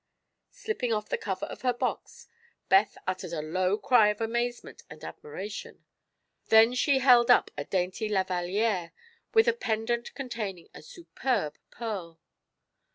Slipping off the cover of her box, Beth uttered a low cry of amazement and admiration. Then she held up a dainty lavalliere, with a pendant containing a superb pearl.